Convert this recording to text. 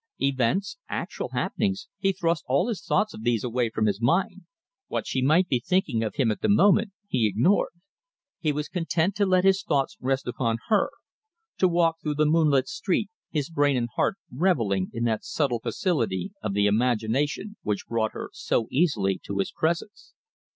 Events, actual happenings he thrust all thoughts of these away from his mind. What she might be thinking of him at the moment he ignored. He was content to let his thoughts rest upon her, to walk through the moonlit street, his brain and heart revelling in that subtle facility of the imagination which brought her so easily to his presence.